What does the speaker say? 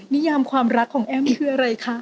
นิยามความรักของแอ้มคืออะไรคะ